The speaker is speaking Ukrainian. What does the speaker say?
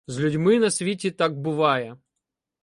З людьми на світі так буває: